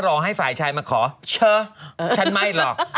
รอให้ฝ่ายชายมาขอเถอะฉันไม่หรอก